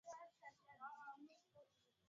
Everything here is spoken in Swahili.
aa nikushukuru sana victor abuso